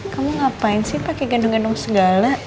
kamu ngapain sih pake gendong gendong segala